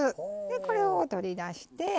でこれを取り出して。